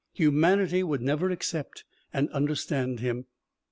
Humanity would never accept and understand him.